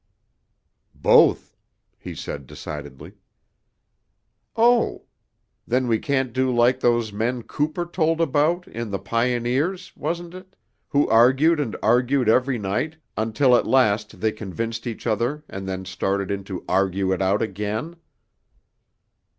"Both," he said decidedly. "Oh! then we can't do like those men Cooper told about, in 'The Pioneers,' wasn't it? who argued and argued every night until at last they convinced each other, and then started in to argue it out again."